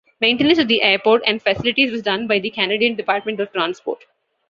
Maintenance of the airport and facilities was done by the Canadian Department of Transport.